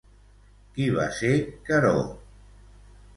Qui va ser Queró?